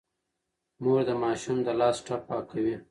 مور د ماشوم د لاس ټپ پاکوي.